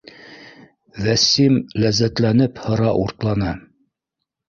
— Вәсим ләззәтләнеп һыра уртла, ны